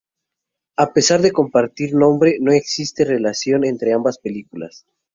A pesar de compartir nombre, no existe relación entre ambas películas.